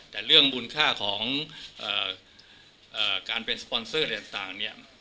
แต่เรื่องมูลค่าของการเป็นสปอนเซอร์อะไรต่างเนี่ย